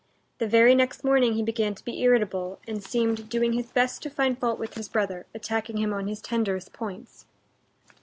The very next morning he began to be irritable, and seemed doing his best to find fault with his brother, attacking him on his tenderest points.